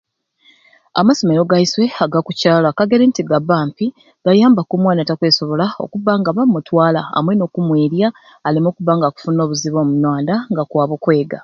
Amasomero gaiswe agakukyalo akageri nti gaba ampi gayambaku omwana atakwesobola okubba nga bamutwala amwei n'okumwirya aleme okuba nga akufuna obuzibu omu mwanda nga akwaba okweega.